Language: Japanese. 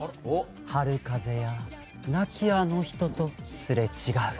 「春風や亡きあの人とすれ違う」。